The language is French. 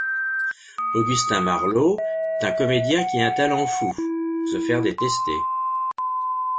Augustin Marleau est un comédien qui a un talent fou… pour se faire détester.